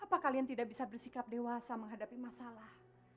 kenapa kalian tidak bisa bersikap dewasa menghadapi masalah